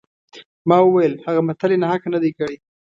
ما وویل هغه متل یې ناحقه نه دی کړی.